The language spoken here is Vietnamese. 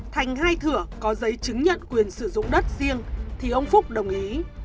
thành hai thửa có giấy chứng nhận quyền sử dụng đất riêng thì ông phúc đồng ý